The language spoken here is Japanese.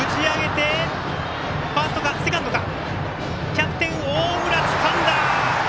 キャプテン大村、つかんだ！